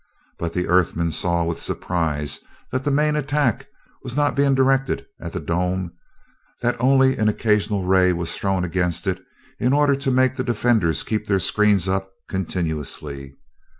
But the Earth men saw with surprise that the main attack was not being directed at the dome; that only an occasional ray was thrown against it in order to make the defenders keep their screens up continuously.